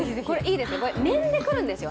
面で来るんですよ。